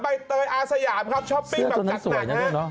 ไปเตยอาศิยาภาพช้อปปิ้งประจำนัก